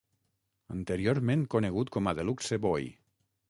Anteriorment conegut com a Deluxeboy.